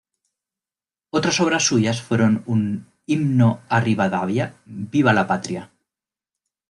Otras obras suyas fueron un "Himno a Rivadavia", "¡Viva la Patria!